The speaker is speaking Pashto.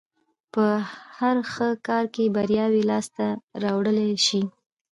په هر ښه کار کې برياوې لاس ته راوړلای شي.